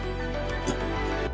あっ。